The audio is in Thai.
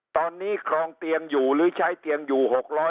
ตอนนี้ครองเตียงอยู่หรือใช้เตียงอยู่๖๐๐